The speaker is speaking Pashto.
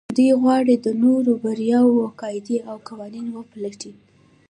دوی غواړي د نورو د برياوو قاعدې او قوانين وپلټي.